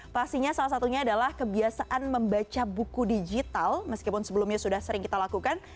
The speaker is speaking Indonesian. pastinya salah satunya adalah kebiasaan membaca buku digital meskipun sebelumnya sudah sering kita lakukan